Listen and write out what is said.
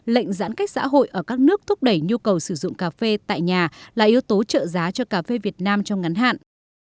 lệnh giãn cách xã hội ở các nước thúc đẩy nhu cầu sử dụng cà phê tại nhà là yếu tố trợ giá cho cà phê việt nam trong ngắn hạn